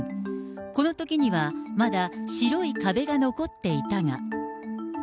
このときには、まだ白い壁が残っていたが。